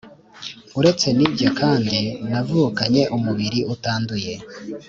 uretse n’ibyo kandi, navukanye umubiri utanduye.